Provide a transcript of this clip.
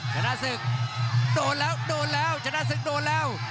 ชนะศึกโดนแล้วโดนแล้วชนะศึกโดนแล้ว